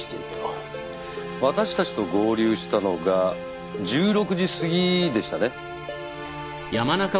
私たちと合流したのが１６時過ぎでしたね。